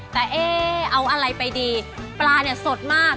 แต่เอ๊เอาอะไรไปดีปลาเนี่ยสดมาก